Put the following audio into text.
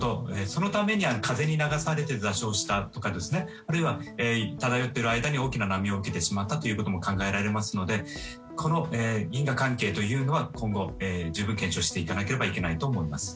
そのため風に流されて座礁したとかあるいは、漂っている間に大きな波を受けてしまったことも考えられますのでこの因果関係というのは今後、十分検証をしないといけないと思います。